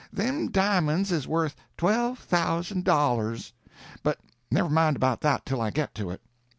Them di'monds is worth twelve thousand dollars. But never mind about that till I get to it.